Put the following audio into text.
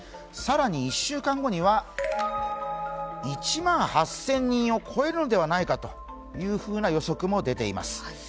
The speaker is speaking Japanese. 更に１週間後には１万８０００人を超えるのではないかという予測も出ています。